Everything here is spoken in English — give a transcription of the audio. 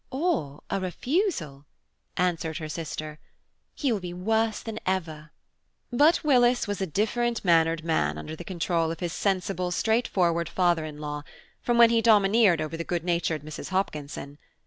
"Or a refusal," answered her sister; "he will be worse than ever." But Willis was a different mannered man under the control of his sensible, straightforward father in law, from when he domineered over the good natured Mrs. Hopkinson.